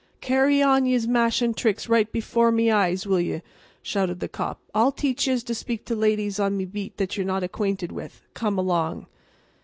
"Carry on yez mashin' tricks right before me eyes, will yez?" shouted the cop. "I'll teach yez to speak to ladies on me beat that ye're not acquainted with. Come along."